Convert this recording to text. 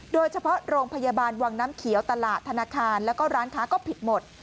โดยเฉพาะโรงพยาบาลวังน้ำเขียวตลาดธนาคารแล้วก็ร้านค้าก็ผิดหมด